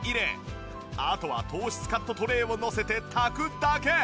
あとは糖質カットトレーをのせて炊くだけ。